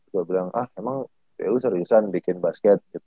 gua bilang ah emang pu seriusan bikin basket gitu